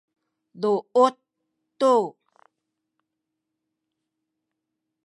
duut tu